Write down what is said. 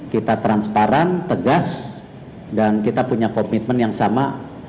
kita transparan tegas dan kita punya komitmen yang sama